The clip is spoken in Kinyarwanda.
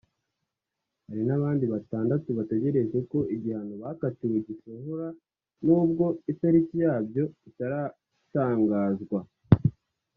hari n’abandi batandatu bagitegereje ko igihano bakatiwe gisohora nubwo itariki yabyo itaratangazwa